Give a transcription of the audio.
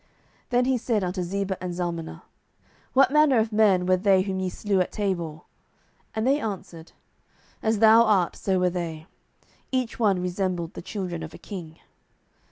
07:008:018 Then said he unto Zebah and Zalmunna, What manner of men were they whom ye slew at Tabor? And they answered, As thou art, so were they; each one resembled the children of a king.